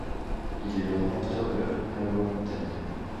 Il est le rapporteur de la première loi montagne.